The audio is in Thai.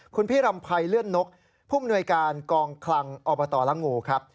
คุณพี่รำภัยเลื่อนนกผู้มนวยการกองคลังอบตละงูครับ